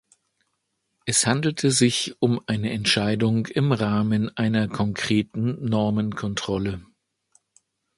Es handelte sich um eine Entscheidung im Rahmen einer konkreten Normenkontrolle.